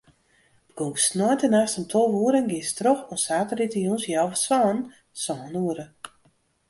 Begûnst sneintenachts om tolve oere en giest troch oant saterdeitejûns healwei sânen, sân oere.